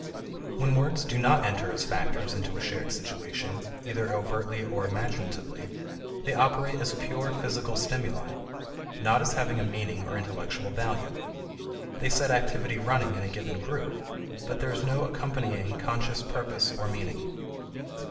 When words do not enter as factors into a shared situation, either overtly or imaginatively, they operate as pure physical stimuli, not as having a meaning or intellectual value. They set activity running in a given groove, but there is no accompanying conscious purpose or meaning.